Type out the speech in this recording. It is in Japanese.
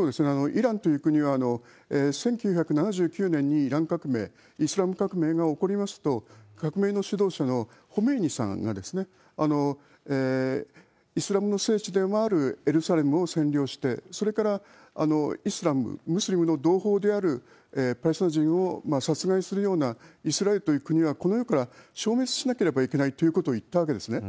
イランという国は１９７９年にイラン革命、イスラム革命が起こりますと、革命の主導者のホメイニさんが、イスラムの聖地でもあるエルサレムを占領して、それからイスラム、ムスリムの同胞であるパレスチナ人を殺害するようなイスラエルという国はこの世から消滅しなければいけないということを言ったわけですね。